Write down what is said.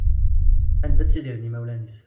Anda ttidiren yimawlan-is.